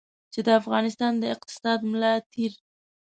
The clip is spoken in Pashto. چې د افغانستان د اقتصاد ملا تېر.